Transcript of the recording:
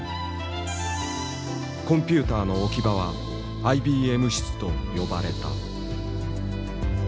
コンピューターの置き場は「ＩＢＭ室」と呼ばれた。